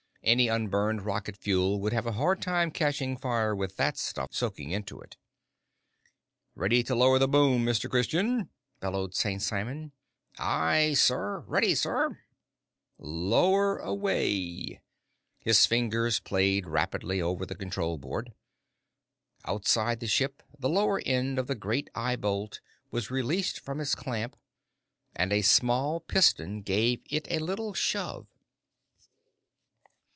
Any unburned rocket fuel would have a hard time catching fire with that stuff soaking into it. "Ready to lower the boom, Mr. Christian!" bellowed St. Simon. "Aye, sir! Ready, sir!" "Lower away!" His fingers played rapidly over the control board. Outside the ship, the lower end of the great eye bolt was released from its clamp, and a small piston gave it a little shove.